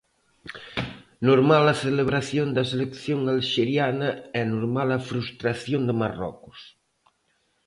Normal a celebración da selección alxeriana e normal a frustración de Marrocos.